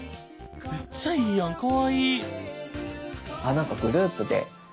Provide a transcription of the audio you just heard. めっちゃいいやんかわいい。